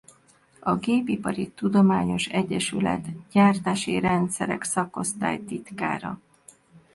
A Gépipari Tudományos Egyesület Gyártási Rendszerek Szakosztály titkára.